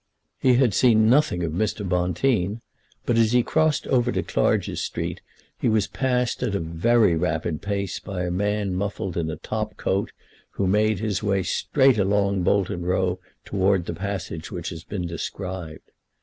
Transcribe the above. He had seen nothing of Mr. Bonteen; but as he crossed over to Clarges Street he was passed at a very rapid pace by a man muffled in a top coat, who made his way straight along Bolton Row towards the passage which has been described.